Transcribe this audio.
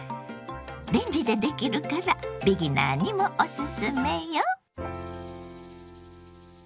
レンジでできるからビギナーにもオススメよ。